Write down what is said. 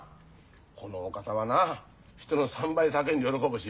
このお方はな人の３倍叫んで喜ぶしよ。